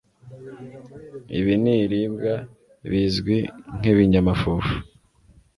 ibi ni iribwa bizwi nk'ibnyamafufu